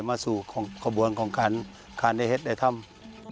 มาสู่ขบวนของการในเห็ดในถ้ำ